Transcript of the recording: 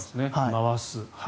回す。